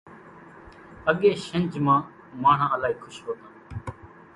اڳيَ شنجھ مان ماڻۿان الائِي کُش هوتان۔